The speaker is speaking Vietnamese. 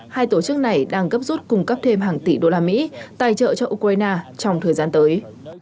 hai tổ chức này đang gấp rút cung cấp thêm hàng tỷ đô la mỹ tài trợ cho ukraine trong thời gian tới